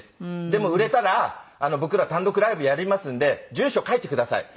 でも売れたら僕ら単独ライブやりますんで住所書いてください。